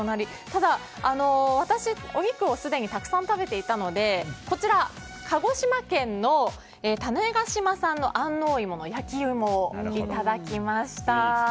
ただ、私はお肉をすでにたくさん食べていたのでこちら、鹿児島県の種子島産の安納芋の焼き芋をいただきました。